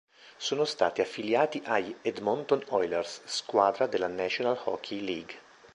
Sono stati affiliati agli Edmonton Oilers, squadra della National Hockey League.